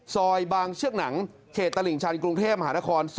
ซอยบางเชือกหนังเขตตลิ่งชันกรุงเทพมหานคร๒